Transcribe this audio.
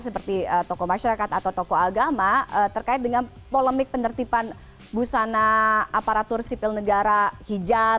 seperti tokoh masyarakat atau tokoh agama terkait dengan polemik penertiban busana aparatur sipil negara hijab